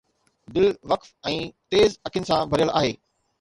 دل وقف ۽ تيز اکين سان ڀريل آهي